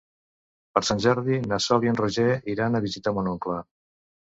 Per Sant Jordi na Sol i en Roger iran a visitar mon oncle.